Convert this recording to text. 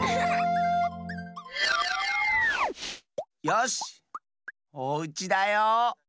よしおうちだよ。